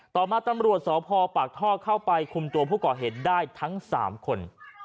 ต่อมาตำรวจสพปากท่อเข้าไปคุมตัวผู้ก่อเหตุได้ทั้ง๓คน